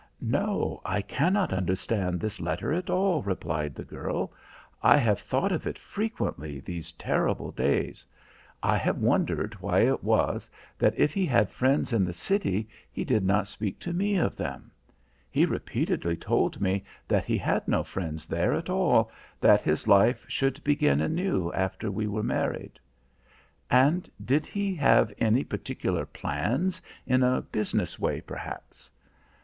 "No; I cannot understand this letter at all," replied the girl. "I have thought of it frequently these terrible days. I have wondered why it was that if he had friends in the city, he did not speak to me of them. He repeatedly told me that he had no friends there at all, that his life should begin anew after we were married." "And did he have any particular plans, in a business way, perhaps?"